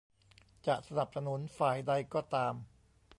จะสนับสนุนฝ่ายใดก็ตาม